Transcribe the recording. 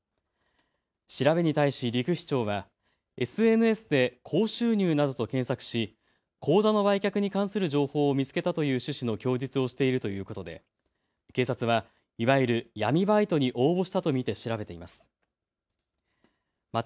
調べに対し陸士長はＳＮＳで高収入などと検索し口座の売却に関する情報を見つけたという趣旨の供述をしているということで警察はいわゆる闇バイトに応募したと見て調べています。